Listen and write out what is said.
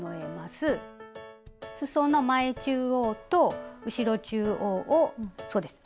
すその前中央と後ろ中央をそうです